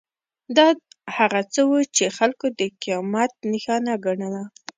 دا هغه څه وو چې خلکو د قیامت نښانه ګڼله.